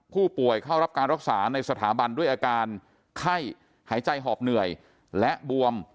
ผู้เข้ารับการรักษาในสถาบันด้วยอาการไข้หายใจหอบเหนื่อยและบวม